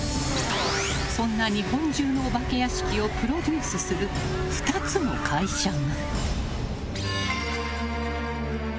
そんな日本中のお化け屋敷をプロデュースする２つの会社が。